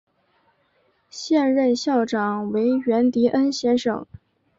现任校长为源迪恩先生。